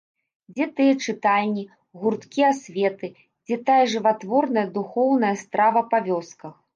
Дзе тыя чытальні, гурткі асветы, дзе тая жыватворная духоўная страва па вёсках?